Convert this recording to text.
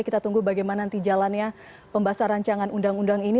kita tunggu bagaimana nanti jalannya pembahasan rancangan undang undang ini